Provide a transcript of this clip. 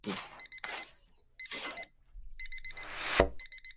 Olwokubawukanako, bamulaba nga ataliimu magezi .